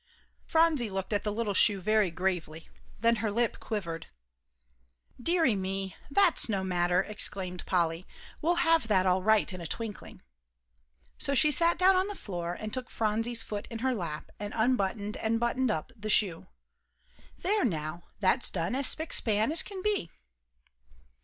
Phronsie looked at the little shoe very gravely, then her lip quivered. "Deary me, that's no matter," exclaimed Polly. "We'll have that all right in a twinkling." So she sat down on the floor, and took Phronsie's foot in her lap, and unbuttoned and buttoned up the shoe. "There now, that's done as spick span as can be."